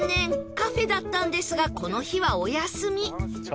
カフェだったんですがこの日はお休み